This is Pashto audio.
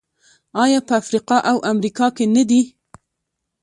آیا په افریقا او امریکا کې نه دي؟